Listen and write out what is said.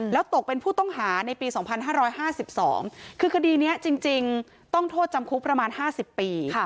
แล้วตกเป็นผู้ต้องหาในปี๒๕๕๒คือคดีนี้จริงต้องโทษจำคุกประมาณ๕๐ปี